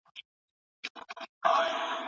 لکه د کلي ماشومانو ته چې